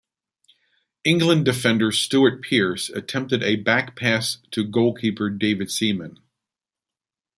England defender Stuart Pearce attempted a back-pass to goalkeeper David Seaman.